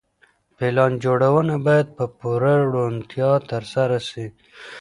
پلان جوړونه بايد په پوره روڼتيا ترسره سي.